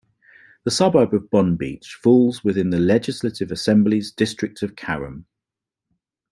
The suburb of Bonbeach falls within the Legislative Assembly's District of Carrum.